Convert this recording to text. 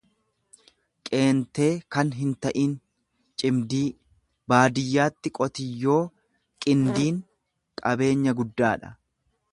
qeentee kan hinta'in, cimdii; Baadiyyaatti qotiyyoo qindiin qabeenya guddaadha.